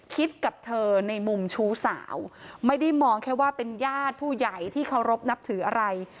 กับเธอในมุมชู้สาวไม่ได้มองแค่ว่าเป็นญาติผู้ใหญ่ที่เคารพนับถืออะไร